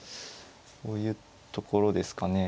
そういうところですかね。